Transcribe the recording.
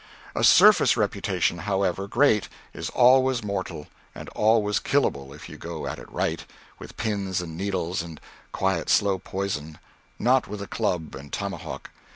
At surface reputation, however great, is always mortal, and always killable if you go at it right with pins and needles, and quiet slow poison, not with the club and tomahawk.